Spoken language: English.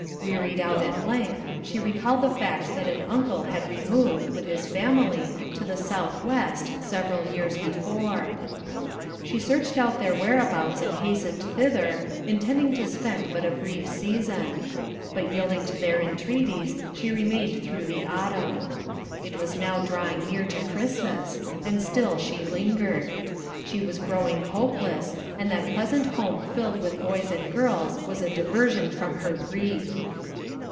Wearied out at length, she recalled the fact that an uncle had removed, with his family, to the south west, several years before. She searched out their whereabouts and hastened thither, intending to spend but a brief season. But yielding to their entreaties she remained through the autumn. It was now drawing near to Christmas, and still she lingered. She was growing hopeless, and that pleasant home filled with boys and girls was a diversion from her grief.